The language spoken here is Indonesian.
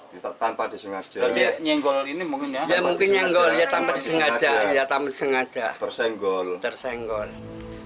disengaja lainnya ngolol ini mungkin yang mungkin yang gol kedengar's udah nggak kamu sengaja bersengaja